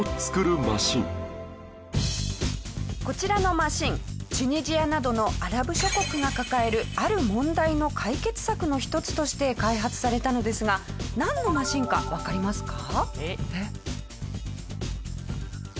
こちらのマシンチュニジアなどのアラブ諸国が抱えるある問題の解決策の一つとして開発されたのですがなんのマシンかわかりますか？